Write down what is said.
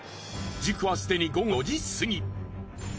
時刻はすでに午後４時過ぎ。